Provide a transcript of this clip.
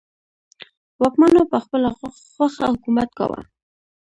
واکمنو په خپله خوښه حکومت کاوه.